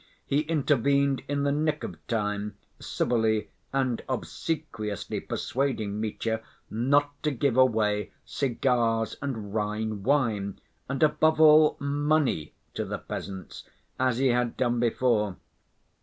He intervened in the nick of time, civilly and obsequiously persuading Mitya not to give away "cigars and Rhine wine," and, above all, money to the peasants as he had done before.